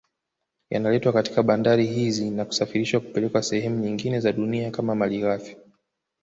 Yanaletwa katika bandari hizi na kusafirishwa kupelekwa sehemu nyingine za dunia kama malighafi